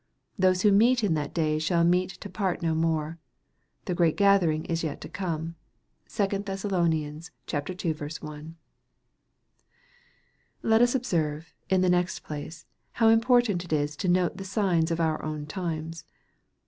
Those who meet, in that day, shall meet to part no more. The great gathering is yet to come. (2 Thess. ii. 1.) Let us observe, in the next place, how important it is to note the signs of our own times.